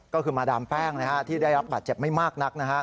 ก็คือมาดามแป้งที่ได้รับบาดเจ็บไม่มากนัก